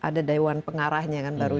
ada dawan pengarahnya yang baru